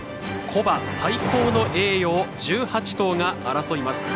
古馬最高の栄誉を１８頭が争います。